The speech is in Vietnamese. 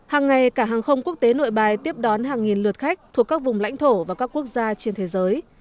hàng ngày cả hàng không quốc tế nội bài tiếp đón hàng nghìn lượt khách thuộc các vùng lãnh thổ và các quốc gia trên thế giới